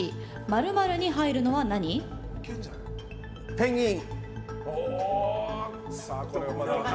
ペンギン。